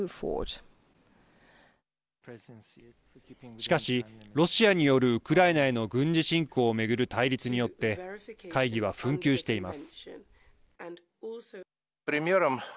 しかし、ロシアによるウクライナへの軍事侵攻を巡る対立によって会議は紛糾しています。